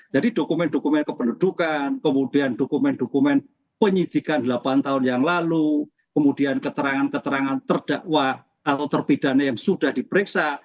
jadi dokumen dokumen kependudukan kemudian dokumen dokumen penyidikan delapan tahun yang lalu kemudian keterangan keterangan terdakwa atau terpidahannya yang sudah diperiksa